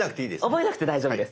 覚えなくて大丈夫です。